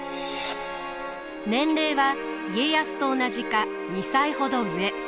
年齢は家康と同じか２歳ほど上。